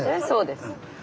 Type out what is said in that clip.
そうです。